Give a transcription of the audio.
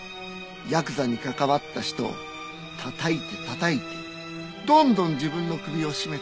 ヤクザに関わった人を叩いて叩いてどんどん自分の首を絞めていく。